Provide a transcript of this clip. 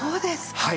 はい。